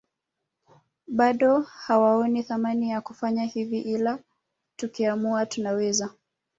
Bado hawaoni thamani ya kufanya hivi ila tukiamua tunaweza